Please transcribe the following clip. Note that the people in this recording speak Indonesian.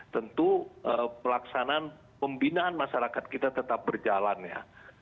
tentu pelaksanaan pembinaan masyarakat kita tetap berjalan ya